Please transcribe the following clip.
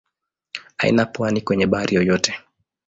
Haina pwani kwenye bahari yoyote.